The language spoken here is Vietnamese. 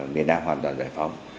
người nam hoàn toàn giải phóng